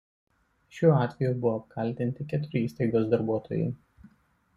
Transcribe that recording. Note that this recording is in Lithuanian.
Šiuo atveju buvo apkaltinti keturi įstaigos darbuotojai.